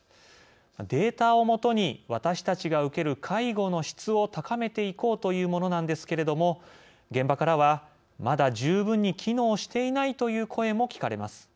データを基に私たちが受ける介護の質を高めていこうというもなんですけれども現場からは「まだ十分に機能していない」という声も聞かれます。